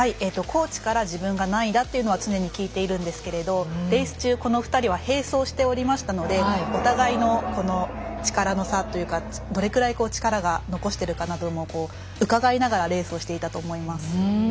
コーチから自分が何位だというのは常に聞いているんですけれどレース中この２人は併走しておりましたのでお互いの力の差というかどれぐらい力を残しているかなど伺いながらレースをしていたと思います。